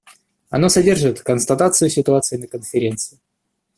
Оно содержит констатацию ситуации на Конференции.